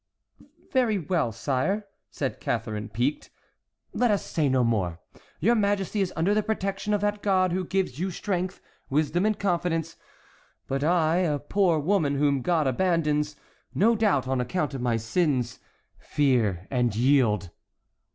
"Very well, sire," said Catharine, piqued, "let us say no more. Your majesty is under the protection of that God who gives you strength, wisdom, and confidence. But I, a poor woman whom God abandons, no doubt on account of my sins, fear and yield."